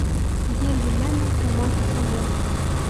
Ел елләмәй, томан асылмай.